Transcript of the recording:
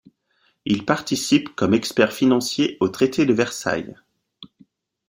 Il participe comme expert financier au traité de Versailles.